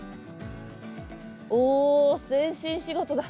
お全身仕事だ。